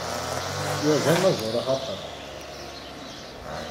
Wa d anaẓur axatar.